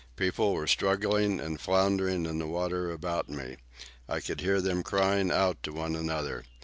People were struggling and floundering in the water about me. I could hear them crying out to one another.